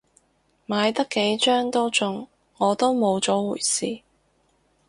買得幾張都中，我都冇咗回事